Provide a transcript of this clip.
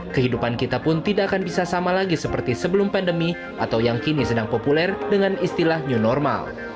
kehidupan kita pun tidak akan bisa sama lagi seperti sebelum pandemi atau yang kini sedang populer dengan istilah new normal